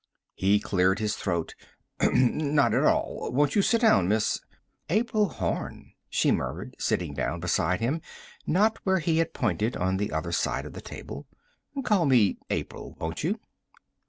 He cleared his throat. "Not at all. Won't you sit down, Miss " "April Horn," she murmured, sitting down beside him, not where he had pointed on the other side of the table. "Call me April, won't you?"